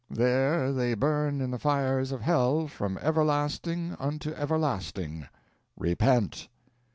There they burn in the fires of hell from everlasting unto everlasting. Repent!"